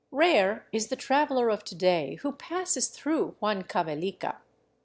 Rare is the traveler of to day who passes through Huancavelica.